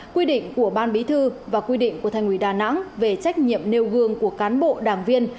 quy định của ban bí thư và quy định của thành ủy đà nẵng về trách nhiệm nêu gương của cán bộ đảng viên